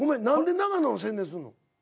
何で長野の宣伝するの？